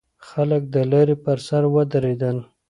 خلک د لارې پر سر ودرېدل.